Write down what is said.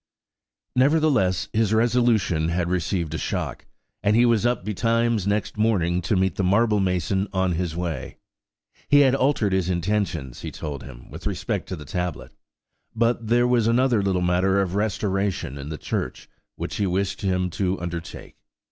Nevertheless his resolution had received a shock, and he was up betimes next morning to meet the marble mason on his way. He had altered his intentions, he told him, with respect to the tablet, but there was another little matter of restoration in the church which he wished him to undertake.